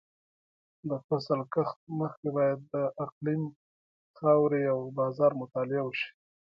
د فصل کښت مخکې باید د اقلیم، خاورې او بازار مطالعه وشي.